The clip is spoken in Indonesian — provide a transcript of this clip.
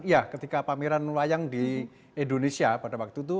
iya ketika pameran wayang di indonesia pada waktu itu